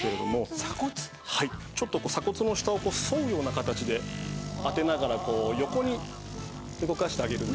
ちょっとこう鎖骨の下を沿うような形で当てながらこう横に動かしてあげるんですね。